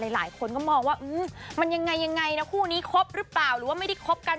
หลายคนก็มองว่ามันยังไงยังไงนะคู่นี้คบหรือเปล่าหรือว่าไม่ได้คบกัน